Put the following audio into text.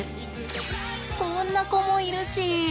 こんな子もいるし。